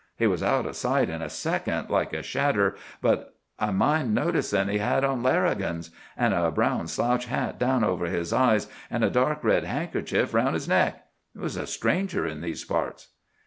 He was out o' sight in a second, like a shadder, but I mind noticin' he had on larrigans—an' a brown slouch hat down over his eyes, an' a dark red handkerchief roun' his neck. He was a stranger in these parts."